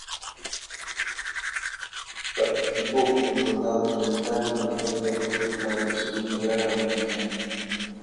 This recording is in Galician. Participou como soldado sanitario na fronte rusa durante a Segunda Guerra Mundial.